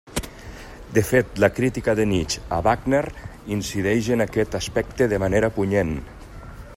De fet, la crítica de Nietzsche a Wagner incideix en aquest aspecte de manera punyent.